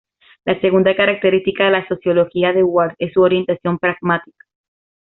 La segunda característica de la sociología de Ward, es su orientación pragmática.